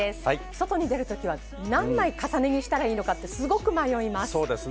外に出るときは何枚重ね着したらいいのかすごく迷います。